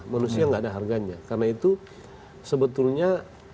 manusia tidak ada harganya karena itu sebetulnya